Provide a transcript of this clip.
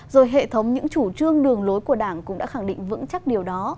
rồi hệ thống những chủ trương đường lối của đảng cũng đã khẳng định vững chắc điều đó